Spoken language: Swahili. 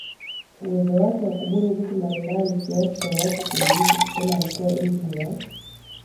uwezo wake wa kubuni vitu mbalimbali kiasi cha watu kudiriki kusema alikuwa injini ya